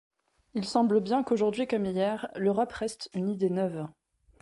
Il semble bien qu'aujourd'hui comme hier, l'Europe reste une idée neuve.